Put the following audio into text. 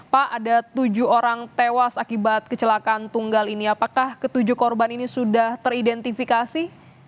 pak ada tujuh orang tewas akibat kecelakaan tunggal ini apakah ketujuh korban ini sudah teridentifikasi